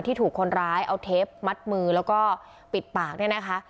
ที่ถูกคนร้ายเอาเทปมัดมือแล้วก็ปิดปากเนี่ยนะคะ